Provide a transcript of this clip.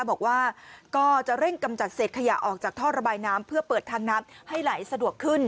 บอกว่าก็จะเร่งกำจัดเศษขยะออกจากท่อระบายน้ำเพื่อเปิดทางน้ำให้ไหลสะดวกขึ้น